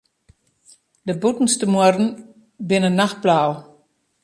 De bûtenste muorren binne nachtblau.